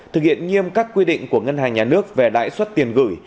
thực hiện nghiêm các quy định của ngân hàng nhà nước về lãi suất tiền gửi